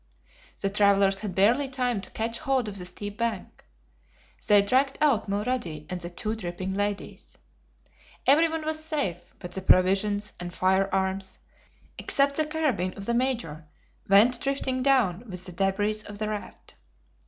The travelers had barely time to catch hold of the steep bank. They dragged out Mulrady and the two dripping ladies. Everyone was safe; but the provisions and firearms, except the carbine of the Major, went drifting down with the DEBRIS of the raft.